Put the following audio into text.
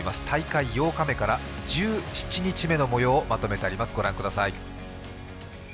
大会８日目から１７日目のもようをまとめております。